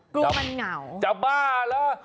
กลุ่มันเหงาจะบ้าแล้ว